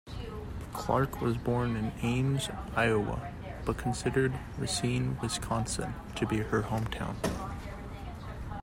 Clark was born in Ames, Iowa, but considered Racine, Wisconsin, to be her hometown.